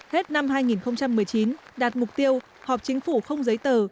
hết năm hai nghìn một mươi chín đạt mục tiêu họp chính phủ không giấy tờ